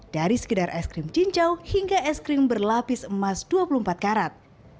dari sekedar es krim cincau hingga es krim berlapis emas dua puluh empat karat